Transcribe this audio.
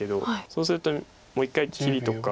そうするともう一回切りとか。